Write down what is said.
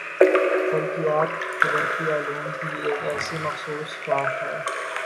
فلکیات قُدرتی علوم کی ایک ایسی مخصُوص شاخ ہے